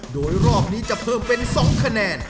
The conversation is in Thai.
โดยรอบนี้จะเพิ่มเป็น๒คะแนน